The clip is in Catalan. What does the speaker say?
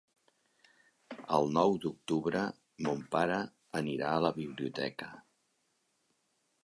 El nou d'octubre mon pare anirà a la biblioteca.